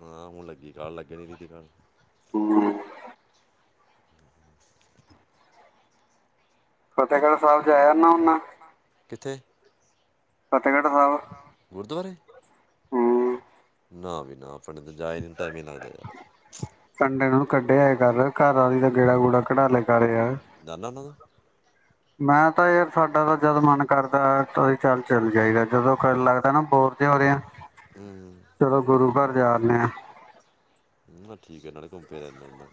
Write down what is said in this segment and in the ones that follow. ਹਾਂ ਹੁਣ ਲੱਗੀ, ਚਣ ਲੱਗਣੀ ਦੁਕਾਨ,, ਹਮ,,,,,,, ਫਤਹਿਗੜ੍ਹ ਸਾਹਿਬ,,, ਜਾ ਨਾ ਉਹਨਾਂ,,,,, ਕਿੱਥੇ,,,, [inaudible] ਫ਼ਤਿਹਗੜ੍ਹ ਸਾਹਿਬ ਹਮ। [inaudible] ਨਾ ਵੀ ਨਾ ਆਪਾਂਣੇ ਤਾਂ ਜਾ ਟਾਈਮ ਹੀ ਲੱਗਦਾ ਯਾਰ। [inaudible] ਕੰਡੇ ਨੂੰ ਕੱਢਿਆਏ ਘਰ ਘਰ ਅਲੇ ਦਾ ਗੇੜਾ ਗੂੜਾ ਕਢਾ ਲ। [inaudible] ਦਲਣਾ। ਮੈਂ ਤਾਂ ਯਾਰ ਸਾਡਾ ਤਾਂ ਜਦ ਮਨ ਕਰਦਾ ਤਾਂ ਚੱਲ ਚੱਲ ਜਾਏਗਾ ਜਦੋਂ ਲੱਗਦਾ ਨਾ ਬੋਰ ਜੇ ਹੋ ਰਹੀ ਏ। ਹੂ [inaudible] ਘਰ ਜਾ ਆਂ ਐ। [inaudible] ਹ ਠੀਕ ਹੈ ਨਾਲੇ ਘੁੰਮ ਫੇ ਰਹਿੰਦੇ।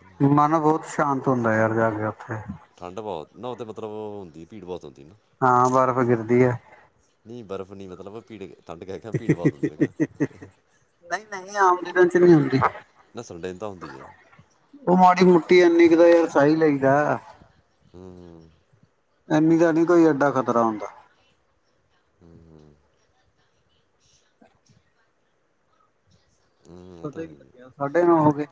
ਠੰਡ ਬਹੁਤ। [unintelligible] ਨਹਉ ਤਾਂਤੇ ਮਤਲਬ ਹੁੰਦੀ ਭੀੜ ਬਹੁਤ ਹੁੰਦੀ। [unintelligible] [unintelligible] ਨਹੀਂ ਬਰਫ਼ ਨੀ ਮਤਲਬ। [inaudible] ਪੀੜ। [unintelligible] [unintelligible] ਨਹੀਂ ਨਹੀਂ ਆਮਲੀਨ। [inaudible] ਹੁੰਦੀ। [unintelligible] ਉਹ ਮਾੜੀ ਮੋਟੀ ਇਨੀ ਕੁ ਤਾਂ ਯਾਰ ਸਹੀ ਲਦਾ। [unintelligible] ਇਨੀ ਦਾ ਨਹੀਂ ਕੋਈ ਏਡਾ ਖਤਰਾ ਹੁੰਦਾ। [unintelligible] ਹੂ ਹੂ। [unintelligible] ਪਤਾ ਹੀ ਨੀ ਲੱਗਿਆ ਸਾਢੇ ਨੌ ਹੋ ਗਏ।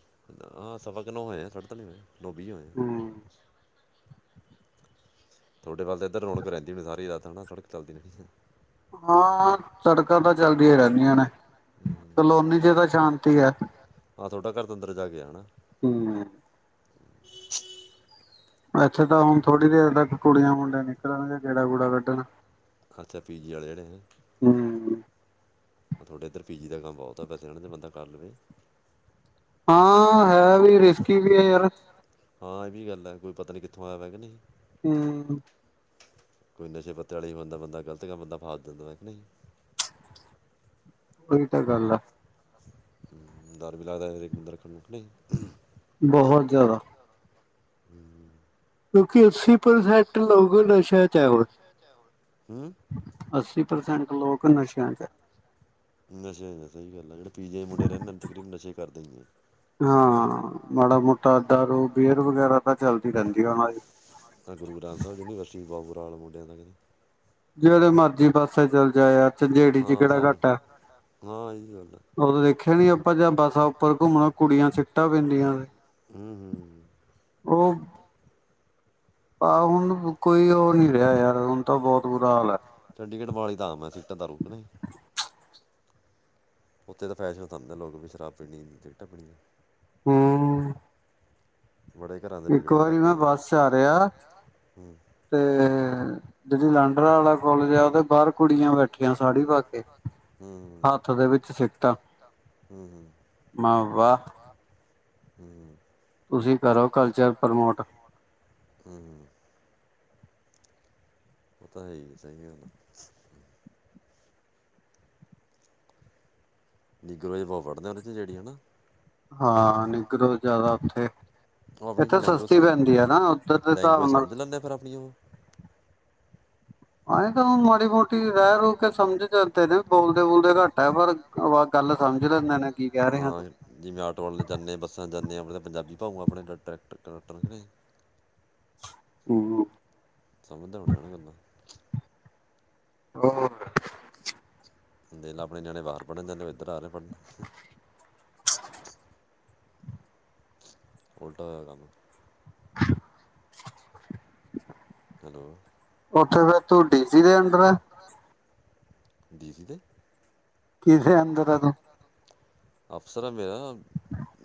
[unintelligible] ਹਾਂ ਸਵਾ ਕਿਨੋਂ ਹੋਏ ਆ ਸਡ ਤੋਂ ਨੀ ਮੈਂ। [unintelligible] ਨੋ ਬੇ ਹੋਏ। [unintelligible] ਤੁਹਾਡੇੱਲ ਤਾਂ ਇੱਧਰ ਰੌਣਕ ਰਿੰਦੀਣੀ ਸਾਰੀ ਦਾਦ ਨਾਣਕ ਚਦੀ। ਹਾਂ ਸੜਕਾਂ ਤਾਂ ਚੱਲਦੀਆਂ ਰਹਿੰਦੀਆਂ ਨੇ ਕਲੋਨੀ ਚ ਤਾਂ ਸ਼ਾਂਤੀ ਹੈ। ਅੰਦਰ ਜਾ ਕੇ ਆ ਨਾ। ਹੂ [inaudible] [unintelligible] ਇੈਥੇ ਤਾਂ ਹੁਣ ਥੋੜ੍ਹੀ ਦੇਰ ਤੱਕ ਕੁੜੀਆਂ ਮੁੰਡੇ ਨੇ। [unintelligible] ਨਲਣਗੇ ਕਿਹੜਾ ਗੂੜਾ ਕੱਢਣ। [unintelligible] ਖਰਚਾ ਪੀ ਜੀ ਵਾਲੇ ਜਿਹੜੇ ਹੈ। [inaudible] ਤੁਹਾਡੇ ਇੱਧਰ ਪੀ ਜੀ ਦਾ ਕੰਮ ਬਹੁਤ ਆ ਵੈਸੇ ਨਾਲ ਨਾ ਤਾਂ ਬੰਦਾ ਕਰ ਲਵੇ। [unintelligible] ਹਾਂ ਹੈ ਵੀ ਰਿਸਕੀ ਵੀ ਹੈ ਯਾਰ। [unintelligible] ਕੋਈ ਪਤਾ ਨਹੀਂ ਕਿੱਥੋਂ ਆਇਆੈਗਾ ਨਹੀਂ ਸੀ। ਹੂ। ਕੋਈ ਨਸ਼ੇ ਪੱਤਰ ਵਾਲੀ ਹੋਣਦਾ ਬੰਦਾ ਗ਼ਲਤ ਕੰ ਬੰਦਾ ਫਾੜ ਦਿੰਦਾ ਵੈਂ ਕਿਹਾ ਨਹੀਂ ਜੀ। ਉਹੀ ਤਾਂ ਗੱਲ ਆ। ਡਰ ਵੀ ਲੱਗਦਾ ਮੰਦਦਰੱਖਣ ਨੂੰ। ਬਹੁਤ ਜ਼ਿਆਦਾ। ਹਮ ਕਿਉਂਕਿ ਅਸੀਂ ਪ ਸੈਟ ਲੋਕ ਨਸ਼ਾ ਚੈ ਅੱਸੀ [inaudible] ਨਸ਼ੇਾ ਸਹੀ ਗੱਲ ਆ ਜਿਹੜੇ ਪੀਜੇ ਦੇ ਮੁੰੇ ਰਹਿੰਦੇ ਦੇ ਕਰੀਬ ਨਸ਼ੇ ਕਰਦੇ ਹੀ ਆ, ਪਾਣੀ ਸਾਰ ਮਾੜਾ ਮੋਟਾ ਅੱਡਾ ਰੋ ਗੇਅਰ ਵਗੈਰਾ ਤਾਂ ਚਲਦੀ ਰਹੀ ਜੀਣਾ ਗੁਰੂ ਗ੍ਰੰਥ ਸਾਹਿਬ ਯੂਨੀਵਰਸਿਟੀ ਬਾਬੁਰ ਮੁੰਡਿਆਂ ਦਾ ਕਹਿੰਦੇ ਜਿਹੜੇ ਮਰਜੀ ਪਾਸੇ ਚੱਲ ਚੰਜੇੜੀ ਚ ਕਿਹੜਾ ਘੱਟ ਆ। ਉ ਓਦੋਂ ਦੇਖਿਆ ਨੀ ਆਪਾਂ ਜ ਬੱਸਾਂ ਉੱਪਰ ਘੁੰਮਣ ਕੁੜੀਆਂ ਸਿੱਟਾਂ ਪੈਂਦੀਆਂ। ਉਹ ਪਾ ਹਨ। ਕੋਈ ਉਹ ਨੀ ਰਿਹਾ ਯਾਰ ਹੁਣ ਤਾਂ ਬਹੁਤ ਬੁਰਾ ਹਾਲ ਹੈ। ਮੈਂ ਸਟਾਂ ਦਾ ਰੁਕਣੇ ਉੱਥੇ ਤਾਂ ਫੈਸ਼ਨ ਸਮਝਦੇ ਲੋਕ ਵੀ ਸ਼ਰਾਬ ਪੀਣੀ, ਸਿਗਰਟਾਂ ਪੀਣੀਆਂ। ਹਮ, ਇੱਕ ਵਾਰੀ ਮੈਂ ਬੱਸ ਚ ਆ ਰਿਹਾ। ਤੇ ਦਿੱਲੀ ਲਾਂਡਰ ਵਾਲਾ ਕੋਲਾਜ ਆ ਤੇ ਬਾਹਰ ਕੁੜੀਆਂ ਬੈਠੀਆਂ ਸਾੜੀ ਪਾ ਕੇ। ਹੱਥ ਦੇ ਵਿੱਚ ਸਿੱਕਟਾਂ, ਮ ਵਾਹ! ਹਮ ਤੁਸੀਂ ਕਰੋ ਕਲਚਰ ਪ੍ਰਮੋਟ ਉਹ ਤਾਂ ਹੈ ਹੀ ਹੈ, ਸਹੀ ਹੈ ਨਾ ਨਿੱਗਲੋ ਬਹੁਤ ਵੜਦੇ ਉਹਦੇ ਚ ਜਿਹੜੀ ਹਨਾ। ਹਾਂ। ਨਿੱਘਰੋ ਜ਼ਿਆਦਾ ਉੱਥੇ ਉਹ ਆਪਣੀ ਫਿਰ ਲੈਂਗੁਏਜ ਸਮ, ਲੈਂਗੁਏਜ ਸਮਝ ਲੈਂਦੇ ਫਿਰ ਆਪਣੀਆਂ ਉਹ ਆਹੀ ਤਾਂ ਹੁਣ ਮਾੜੀ- ਮੋਟੀ ਰਹਿ ਰੂ ਕੇ ਸਮਝ ਜਾਂਦੇ ਨੇ ਬੋਲਦੇ- ਬੋਲਦੇ ਘੱਟ ਹੈ। ਪਰ ਆ ਗੱਲ ਸਮਝ ਲੈਂਦੇ ਨੇ। ਹਾਂ। ਜਿਵੇਂ ਆਟੋ ਵਾਲੇ ਜਾਂਦੇ ਹਾਂ, ਬੱਸਾਂ ਜਾਂਦੇ ਹਾਂ, ਆਪ ਤਾਂ ਪੰਜਾਬੀ ਹੁੰਨ ਆਪਣੇ ਕਂਟਕਟਰ-ਟਰਕਟਰ ਤੇ ਹਮ, ਹੋਰ ਦਿਨ ਆਪਣੇ ਨਿਆਣੇ ਬਾਹਰ ਪੜਨ ਜਾਂਦੇ। ਇੱਧਰ ਆ ਰਹੇ ਪੜ੍ਹ ਅੱਛ ਉਲਟਾ ਹੋਇਆ ਕੰਮ। [unintelligible] ਹੈਲੋ, ਉੱਠੇ ਫੇਰ ਤੂੰ ਡੀ ਸੀ ਦੇ ਅੰਡਰ ਡੀ ਸੀ ਦੇ ਕਿਥੇ ਅੰਦਰ ਹੈ ਤੂੰ? ਅਫਸਰ ਹੈ ਮੇਰਾ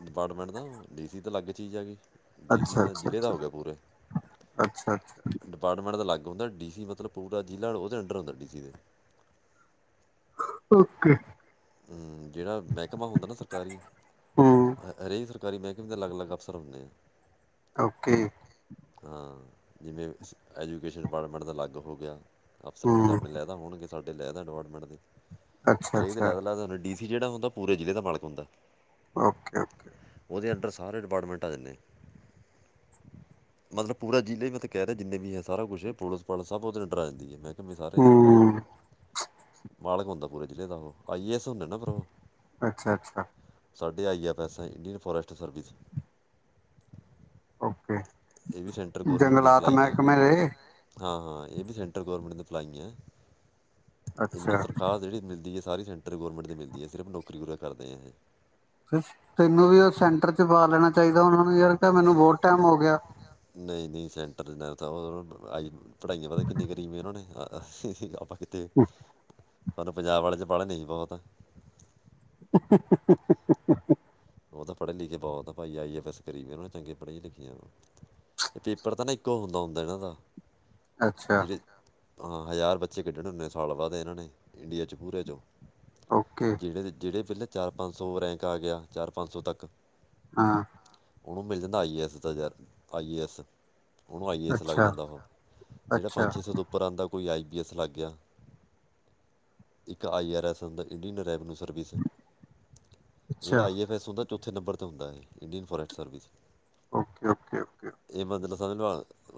ਡਿਪਾਰਟਮੈਂਟ ਡੀ ਸੀ ਤਾਂ ਅਲੱਗ ਚੀਜ਼ ਹੈ ਗਈ। ਅੱਛਾ- ਅੱਛਾ - ਅੱਛਾ- ਅੱਛਾ। ਦਾ ਡੀ ਸੀ ਮਤਲਬ ਪੂਰਾ ਜ਼ਿਲ੍ਹਾ ਉਹਦੇ ਅੰਡਰ ਆਉਂਦਾ। ਡੀ ਸੀ ਦੇ ਓਕੇ, ਹਮ ਜਿਹੜਾ ਮਹਿਕਮਾ ਹੁੰਦਾ ਨਾ ਸਰਕਾਰੀ, ਰਹੀ ਸਰਕਾਰ। ਘਾਰੀ ਮਹਿਕਮੇ ਦੇ ਅਲੱਗ- ਅਲੱਗ ਅਫਸਰ ਹੁੰਦੇ ਆ। ਓਕੇ। ਹਾਂ, ਜਿਵੇਂ ਐਜੂਕੇਸ਼ਨ ਡਿਪਾਰਟਮੈਂਟ ਦਾ ਅਲੱਗ ਹੋ ਗਿਆ। ਅਫਸਰ ਹੋਣ ਤੇ, ਆਪਣੇ ਲੈਦਾ ਹੋਣਗੇ। ਸਾਡੇ ਲੈ ਦਾ ਡਿਪਾਰਟਮੈਂਟ ਦੀ ਅੱਛਾ -ਅੱਛਾ। ਅਲੱਗ ਅਲੱ ਜਿਹੜਾ ਹੁੰਦਾ, ਪੂਰੇ ਜ਼ਿਲ੍ਹੇ ਦਾ ਮਾਲਕ ਹੁੰਦਾ। Okay- okay. ਉਹਦੇ ਅੰਡਰ ਸਾਰੇ ਡਿਪਾਰਟਮੈਂਟ ਆ ਜਾਂਦੇ, ਮਤਲਬ ਪੂਰਾ ਜ਼ਿਲ੍ਹੇ ਹੀ ਮੈਂ ਤਾਂ ਕਹਿ ਰਿਹਾ ਜਿੰਨੇ ਵੀ ਹੈ, ਸਾਰਾ ਕੁਛ ਪੁਲਿਸ -ਪਾਲਸ ਸਬ ਉਹਦੇ ਅੰਡਰ ਆ ਜਾਂਦੇ ਨੇ, ਫੇਰ ਕੇ ਸਾਰੇ ਸਰਕਾਰੀ ਮਾਲਕ ਹੂੰਦਾ ਪੂਰੇ ਜ਼ਿਲ੍ਹੇ ਦਾ ਉਹ। ਆਈਏਸ ਹੁੰਦਾ ਨਾ ਫੇਰ ਓ। ਅੱਛਾ -ਅੱਛਾ। ਸਾਢੇ ਆਈ ਆ, ਵੈਸੇ ਇੰਡੀਅਨ ਫੋਰੇਸਟ ਸਰਵਿਸ। ਓਕੇ। ਜੰਗਲਾਤ ਮਹਿਕਮੇ ਰ ਹਾਂ, ਹਾਂ ਇਹ ਵੀ ਸੈਂਟਰਲ ਗੌਰਮੈਂਟ ਦੀ ਭਲਾਈ ਹੈ। ਇਹਨਾਂ ਨੂੰ, ਸਰਕਾਰ ਜਿਹੜੀ ਮਿਲਦੀ ਏ ਸਾਰੇ ਸੈਂਟਰ ਗੌਰਮੈਂਟ ਦੇ ਮਿਲਦੀ ਹੈ, ਸਿਰਫ ਨੌਕਰੀ ਪੂਰਾ ਕਰਦੇ ਹਾਂ ਇਹ ਫ ਤੈਨੂੰ ਵੀ ਉਹ ਸੈਂਟਰ ਚ ਪਾ ਦੇਣਾ ਚਾਹੀਦਾ, ਉਹਨਾਂ ਨੂੰ ਯਾਰ ਕਿਹ ਮੈਨੂੰ ਬਹੁਤ ਟਾਈਮ ਹੋ ਗਿਆ। ਨਹੀਂ, ਨਹੀਂ ਸੈਂਟਰ ਪੜ੍ਹਾਈਆਂ ਪਤਾ ਕਿੰਨੀ ਕਰੀਬ ਉਹਨਾਂ ਨੇ ਅਤੇ ਪਰ ਪੰਜਾਬ ਵਾਲੇ ਚ ਪੜ੍ਹਦੇ ਸੀ ਬਹੁਤ। ਹੀਂ ਹੀਂ, ਹੀਂ ਉਹ ਤਾਂ ਪੜ੍ਹੇ ਲਿਖੇ ਬਹੁਤ ਭਾਈ, ਆਈ ਐਫ ਐਸ ਕਰੀ ਵੀ ਉਹ ਚੰਗੇ ਪੜ੍ਹੀਆਂ-ਲਿਖੀਆਂ ਇਹ ਪੇਪਰ ਤਾਂ, ਨਾ ਇੱਕੋ ਹੁੰਦਾ, ਹੁੰਦਾ ਇਹਨਾਂ ਦਾ ਅੱਛਾ। ਹਾਂ, ਹਜ਼ਾਰ ਬੱਚੇ ਖੇਡਣ ਹੁੰਦੇ ਸਾਲ ਬਾਅਦ ਇਹਨਾਂ ਨੇ ਇੰਡੀਆ 'ਚ ਪੂਰੇ 'ਚੋਂ। ਜਿਹੜੇ- ਜਿਹੜੇ ਪਹਿਲਾਂ ਚਾਰ, ਪੰਜ ਸੌ, ਰੈਂਕ ਆ ਗਿਆ। ਚਾਰ, ਪੰਜ ਸੌ ਤੱਕ। ਹਾਂ। ਉਹਨੂੰ ਮਿਲ ਜਾਂਦਾ, ਆਈ ਏ ਐੱਸ ਦਾ ਆਈ ਏ ਐੱਸ। ਉਹਨੂੰ ਆਈ ਏੱਸ ਲੱਗ ਜਾਂਦਾ, ਉਹ ਜਿਹੜਾ ਪੰਜ, ਛੇ ਸੌ ਤੋਂ ਉੱਪਰ ਆਉਂਦਾ ਕੋਈ ਆਈ ਪੀ ਐੱਸ ਲਾਗਿਆ, ਇੱਕ ਆਈ ਆਰ ਐਸੱਸ ਹੁੰਦਾ, ਇੰਡੀਅਨ ਰੈਵਨਿਊ ਸਰਵਿਸ। ਜਹਿੜਾ ਆਈ ਐਫ ਐੱਸ ਉਹਦਾ ਚੌਥੇ ਨੰਬਰ 'ਤੇ ਹੁੰਦਾ ਹੈ ਇਹ, Indian forest service. Okay, okay, okay.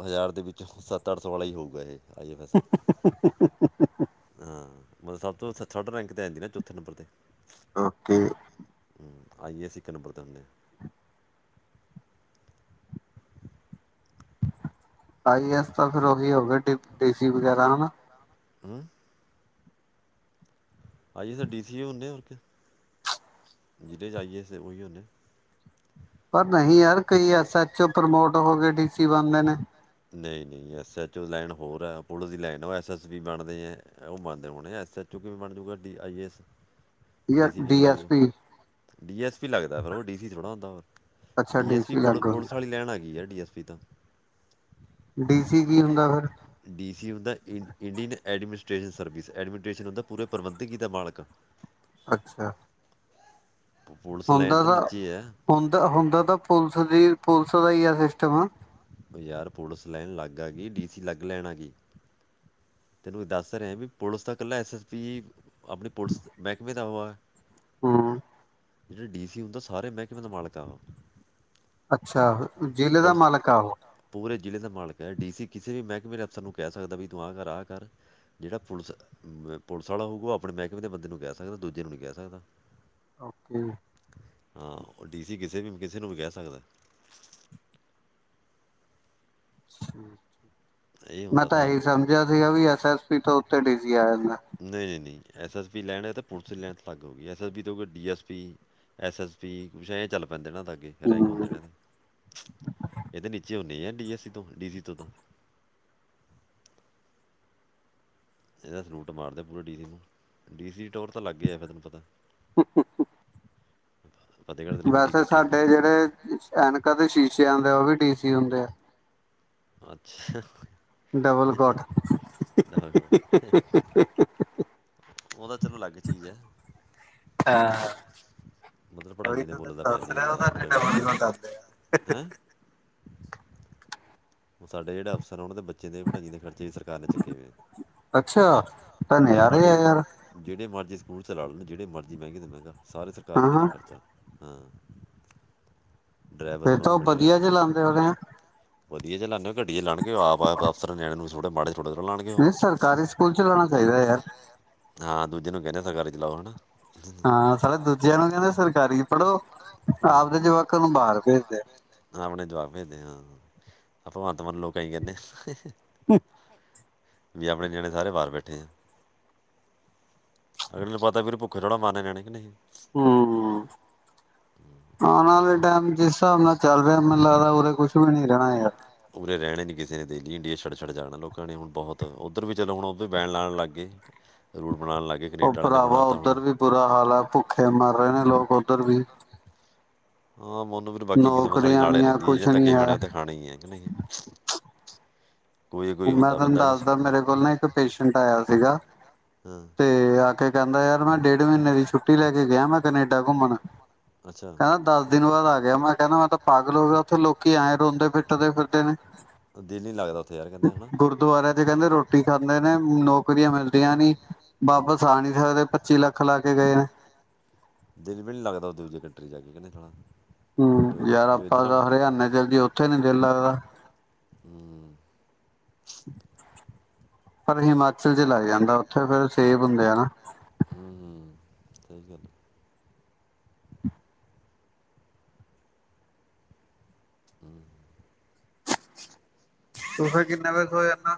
ਹਜ਼ਾਰ ਦੇ ਵਿੱਚ, ਸੱਤ, ਅੱਠ ਸੌ ਵਾਲਾ ਹੀ ਹੋਊਗਾ ਇਹ। [inaudible] ਮਤਲਬ ਸਭ ਤੋਂ ਥੱਡ ਰੈਂਕ ਤੇ ਆ ਜਾਂਦੀ ਨਾ ਚੌਥੇ ਨੰਬਰ ਤੇ ਓਕੇ ਆਈਏ ਅਸ ਏਕ ਨੁੰਬਰ ਤੇ ਹੋਨੇ ਅ ਆਈ ਐਸ ਤਾਂ ਫਿਰ ਉਹੀ ਹੋ ਗ ਡ ਡੀਸੀ ਵਗੈਰਾ ਹਨਾ ਹਮ ਆਈਏ ਅਸੀ ਡੀ ਸੀ ਹੋਦੇ ਜਿਿਲ੍ਹੇ 'ਚ ਆਈਏ ਅਸੀ ਹੀ ਹੋਦੇ ਪਰ ਨਹੀਂ ਯਾਰ ਕਈ ਐਸ ਐਚ ਓ ਪ੍ਰਮੋਟ ਹੋ ਕੇ ਡੀ ਸੀ ਬਣਦੇ ਨੇ ਨਹੀਂ ਨਹੀਂ ਐੱਸ ਐੱਚ ਓ ਦੀ ਲਾਈਨ ਹੋਰ ਹੈ ਪੁਲਿਸ ਦੀ ਲਾਈਨ ਉਹ ਐੱਸ ਐੱਸ ਬੀ ਬਣਦੇ ਹੈ ਉਹ ਬਣਦੇ ਹੋਣੇ ਆ ਐੱਸ ਐੱਚ ਓ ਕਿਵੇਂ ਬਣ ਜੂਗਾ ਡੀ ਆਈਏ ਐੱਸ ਡੀ ਸੀ ਕਿਵੇਂ ਲੱਗ ਜਾਓ ਡੀ ਐਸ ਪੀ ਲੱਗਦਾ ਫਿਰ ਉਹ ਡੀ ਸੀ ਥੋੜ੍ਹਾ ਹੁੰਦਾ ਫ ਡੀਐਸ ਪੀ ਪੁਲ ਪੁਲਿਸ ਵਾਲੀ ਲੈਣ ਆ ਕੀ ਹੈ ਡੀਐਸ ਪੀ ਇਦਾ ਡੀ ਸੀ ਹੁੰਦਾ ਇੰਡੀਅਨ ਐਡਮਮਿਸ ਸਰਵਿਸ ਐਡਮਨਿਸਟਸ਼ਨ ਪੂਰੇ ਪ੍ਰਬੰਧ ਦੇ ਮਾਲਕ ਅੱਛਾ ਹੁੰਦਾ ਤਾਂ ਹੁੰਦਾ ਹੁੰਦਾ ਤਾਂ ਪੁਲਿਸ ਦੀ ਪੁਲਿਸ ਬਈ ਇਹ ਸਿਸਟਮ ਏ ਯਾਰ ਪੁਲਿਸ ਲੈਣ ਲੱਗ ਆ ਗਈ ਡੀ ਸੀ ਲੱਗ ਲੈਣਾ ਅਲਗ ਹੈਗੀ ਤੈਨੂੰ ਦੱਸ ਰਿਹਾ ਵੀ ਪੁਲਿਸ ਦਾ ਇਕੱਲਾ ਐਸ ਐਸ ਪੀ ਆਪਣੀ ਪੁਲਿਸ ਮਹਿਕਮੇ ਦਾ ਉਹ ਹਮ ਜਿਹੜੇ ਡੀ ਸੀ ਹੁੰਦਾ ਸਾਰੇ ਮਹਿ ਕੇ ਮੈਂ ਦਾ ਮਾਲਕ ਆ ਵਾਂ ਪੂਰੇ ਜ਼ਿਲ੍ਹੇ ਦਾ ਮਾਲਕ ਹੈ ਡੀਸੀ ਕਿਸੇ ਵੀ ਮਹਿਕ ਮੇ ਮੇ ਅਫਰ ਨੂੰ ਕਹਿ ਸਕਦਾ ਵੀ ਤੂੰ ਆਹ ਕਰ ਆ ਕਰ ਜਿਹੜਾ ਪੁਲਿਸ ਪੁਲਿਸ ਵਾਲਾ ਹੋਊਗਾ ਉਹ ਆਪਣੇ ਮਹਿਕਮੇ ਦੇ ਬੰਦੇ ਨੂੰ ਕਹਿ ਸਕਦਾ ਦੂਜੇ ਨੂੰ ਨਹੀਂ ਕਹਿ ਸਕਦਾ ਓਕੇ ਹਾਂ ਉਹ ਡੀਸੀ ਕਿਸੇ ਵੀ ਕਿਸੇ ਨੂੰ ਵੀ ਕਹਿ ਸਕਦਾ ਹਮ [inaudible] ਮੈਂ ਤਾਂ ਇਹੀ ਸਮਝਿਆ ਸੀਗਾ ਵੀ ਐਸ ਐਸ ਪੀ ਤੋਂ ਉੱਤੇ ਡੀ ਸੀ ਆ ਜਾਂਦਾ ਐੱਸ ਐੱਸ ਪੀ ਲੈਣ ਹੈ ਤਾਂ ਪੁਲਿਸ ਲੈਣ ' ਅਲੱਗ ਹੋ ਗਈ ਐੱਸ ਐੱਸ ਪੀ ਤੋਂ D S P S S P ਕੁਛ ਇਹ ਚੱਲ ਪੈਂਦੇ ਨਾ ਲਗੇ ਰੈਂਕ ਹੁੰਦੇ ਨੇ ਇਹਦੇ ਨੀਚੇ ਹੂਦੇ ਹੈ। ਡੀ ਐੱਸ ਸੀ ਤੋਂ ਡੀ ਸੀ ਤੋਂ ਤਾਂ। ਇਹਦਾ ਸਲੂਟ ਮਾਰਦੇ ਪੂਰੇ ਡੀ ਸੀ ਨੂੰ ਡੀ ਸੀ ਤੋਰ। ਪਤਾ ਲੱਗਗੇ ਆ ਫਿਰ ਤੈਨੂੰ ਪਤਾ। ਵੈਸੇ ਸਾਡੇ ਜਿਹੜੇ ਐਨਕ ਦੇ ਸ਼ੀਸ਼ੇ ਹੁੰਦੇ ਉਹ ਵੀ ਡੀ ਸੀ ਹੁੰਦੇ ਆ। ਅੱਛਾ ਉਹਦਾ ਚਲੋ ਅਲੱਗ ਚੀਜ਼ ਹੈ ਮਤਲਬ ਪੜ੍ਹਾਈਆਂ ਦੇ ਮੁੱਲ ਤਾਂ ਪੈਂ ਆ ਯਾਰ ਹੁਣ ਅਗਲੇ ਨੇ ਹੈਂ? ਉਹ ਸਾਡੇ ਜਿਹੜੇ ਅਫਰ ਉਹਨਾਂ ਦੇ ਬਚੇ ਖਰਚੇ ਦੇ ਵੜਾਈਆਂ ਦੇ ਖਰਚੇ ਵੀ ਸਰਕਾਰ ਨੇ ਚੁੱਕੇ ਪਏ ਜਿਹੜੇ ਮਰਜ਼ੀ ਜਿਹੜੇ ਮਰਜ਼ੀ। [unintelligible] ਸਕੂਲ [unintelligible] ਲ ਜਿਹੜੇ ਮਰਜ਼ੀ ਮਹਿੰਗੇ ਮਿੰਗਾ। ਸਾਰੇ ਸਰਕਾਰ ਨੇ ਦੇਣਾ ਖਰਚਾ। ਹਾਂ ਫੇ [unintelligible] ਰ ਤਾਂ ਉਹ ਵਧੀਆ ਜ ਲਾਉਦੇ ਉਹਦੇ ਆ ਵਧੀਆ ਚੱਲਦਾ [unintelligible] ਗੱਡੀੀਆਂ ਲਣ ਆਪ ਆਯਾ ਦਸ ਸਾਲ ਨਿਆਣੇ ਨੂੰ। [unintelligible] ੋੜਾੜੇ [unintelligible] ਨਹੀਂ ਸਰਕਾਰੀ ਸਕੂਲ ਚ ਲਾਉਣਾ ਚਾਹੀਦਾ ਯਾਰ। ਹਾਂ ਦੂਜੇ ਨੂੰ ਕਹਿੰਦੇ ਸਰਕਾਰ ਚਲਾਓ [unintelligible] ਹਨਾ। ਹਾਂ ਸਾਰੇੇ ਦੂਜਿਆਂ ਨੂੰ ਕਹਿੰਦੇ ਸਰਕਾਰੀ ਪੜ੍ਹੋ ਆਪਦੇ ਜਵਾਕਾਂ ਨੂੰ ਬਾਹਰ ਭੇਜਦੇ ਆ। ਜਵਾਕ ਭੇਜਦੇ ਹਾਂ। ਆਪਾਂ। ਮਤਨਲ ਕਈ ਕਰਨੇ ਹ। [unintelligible] ਵੀ ਆਪਣੇ ਨਿਆਣੇ ਸਾਰੇ ਬਾਹਰ ਬੈਠੇ ਆ ਅਗਲੇ ਨੂੰ ਪਤਾ ਵੀ ਭੁੱਖੇ ਥੋੜ੍ਹਾ ਮਾਰਨੇ ਨਿਆਣੇ ਕਿ ਨਹੀਂ। ਹਮ ਆਉਣ ਵਾਲੇ ਟਾਈਮ ਜਿਸ ਹਿਸਾਬ ਨਾਲ ਚੱਲ ਰਿਹਾ ਮੈਨੂੰ ਲੱਗਦਾ ਉਰੇ ਕੁਛ ਵੀ ਨੀ ਰਹਿਣਾ ਹੈ। ਹ ਉਰੇ ਰਹਿਣੇ ਨੀ ਕਿਸੇ ਨੇ ਦੇਖੀ ਦੇਸ਼ ਛੱਡ ਛੱਡ ਜਾਣਾ ਲੋਕਾਂ ਨੇ ਹੁਣ ਬਹੁਤ ਉੱਧਰ ਵੀ ਚਲੋ ਹੁਣ ਉਧਰ ਵੀ ਬੈਨ ਲਾਉਣ ਲੱਗ ਗਏ ਰ। ਉ ਭਰਾਵਾ ਉੱਧਰ ਵੀ ਬੁਰਾ ਹਾਲ ਹੈ ਭੁੱਖੇ ਮਰ ਰਹੇ ਨੇ ਲੋਕ। ਤਰ ਵੀ। [unintelligible] ਹਾਂ ਮੋਨੂੰ ਫਿਰ ਬਾਕੀ ਕਿਸਮਤ ਦੇ ਨਾਲੇ ਰਹਿੰਦੀ ਹੈ ਜਿਹਨੇ ਧੱਕੇ ਖਾਣੇ ਉਹਥੇ ਖਾਣੇ ਹੀ ਹੈ ਕਿ ਨਹੀਂ। ਮੈਂ ਤੁਹਾਨੂੰ ਦੱਸਦਾ ਮੇਰੇ ਕੋਲ ਨਾ ਇੱਕ ਪੇਸ਼ੈਂਟ ਆਇਆ ਸੀਗਾ ਤੇ। ਕਹਿੰਦਾ ਯਾਰ ਮੈਂ ਡੇਢ ਮਹੀਨੇ ਦੀ ਛੁੱਟੀ ਲੈ ਕੇ ਗਿਆ ਮੈਂ ਕਨੇਡਾ ਘੁੰਮਣ। ਕਹਿੰਦਾ ਦਸ ਦਿਨ ਬਾਅਦ ਆ ਗਿਆ ਮੈਂ ਕਹਿੰਦਾ ਮੈਂ ਤਾਂ। ਪਾਗਲ ਹੋ ਗਿਆ ਉੱਥੇ ਲੋਕੀ ਆਏ ਰੋਂਦੇ ਪਿੱਟਦੇ ਫਿਰਦੇ ਨੇ। ਦਿਲ ਨੀ ਲੱਗਦਾ। ਗੁਰਦੁਆਰੇ। ਕਹਿੰਦੇ ਰੋਟੀ ਖਾਂਦੇ ਨੇ ਨੌਕਰੀਆਂ ਮਿਲਦੀਆਂ ਨੀ। ਦਿਲ ਵੀ ਨੀ ਲੱਗਦਾ ਦੂਜੇ ਕੰਟਰੀ ਚ ਜਾਕੇ। ਕਿਦੇ ਕਰਾ। [unintelligible] ਹਮ ਯਾਰ ਆਪਾਂ ਤਾਂ ਹਰਿਆਣੇ ਚੱਲ ਜਾਈਏ ਉਥੇ ਨੀ ਦਿਲ ਲੱਗਦਾ। ਪਰ ਹੀਮਾ। ਚਲ ਚ ਲਗ ਜਾਂਦਾ ਉੱਥੇ ਫੇਰ ਸੇਬ ਹੁੰਦੇ ਆ ਨਾ। ਸਹੀ ਗੱਲ ਹੂੰ, ਤੂੰ ਫਿਰ ਕਿੰਨੇ ਵਜੇ ਸੋ ਜਾਨਾ?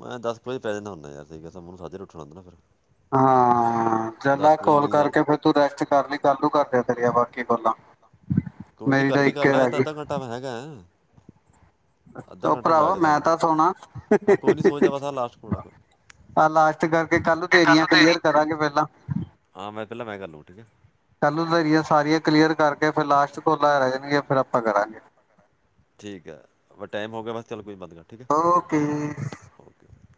ਮੈਂ ਦੱਸ ਕ ਪੈ ਜਾਣਾ ਹੁੰਦਾ ਯਾਰ ਸਹੀ ਮੈਨੂੰ ਸਵੇਰੇ [unintelligible] ਉੱਠਣਾ ਹੁੰਦਾ ਫਿਰ। ਹਾਂ, ਚੱਲ ਆ ਕੋਲ ਕਰਕੇ ਫਿਰ ਤੂੰ ਰੈਸਟ ਕਰਲੀ ਕਾਲੂ ਕਰਲੀ ਤੇਰੀ ਆ ਬਾਕੀ ਕੋਲਾਂ ਮੇਰੀ ਤਾਂ ਇੱਕ ਰਹਿ ਗਈ। ਉਹ ਭਰਾਵਾ ਮੈਂ ਤਾਂ ਸੋਣਾ। ਆਹ ਲਾਸਟ ਕਰਕੇ ਕਾਲੂ ਤੇਰੀਆਂ ਕਲੀਅਰ ਕਰਾਂਗੇ ਪਹਿਲਾਂ। ਹਾਂ, ਮੈਂ ਪਹਿਲਾਂ ਮੈਂ ਕਰ ਲੂੰ ਠੀਕ ਹੈ। ਕਲੀਅਰ ਕਰਕੇ ਫਿਰ ਲਾਸਟ ਕੋਲਾ ਰਹਿ ਜਾਣਗੀਆਂ ਫੇਰ ਆਪਾਂ ਕਰਾਂਗੇ। ਠੀਕ ਹੈ ਟਾਈਮ ਹੋ ਗਿਆ ਬਸ ਚਲੋ। ਕੋਈ [unintelligible] ਗਿਆ ਠੀਕ ਹੈ ਓਕੇ ਜੀ ਓਕੇ ਓਕੇ।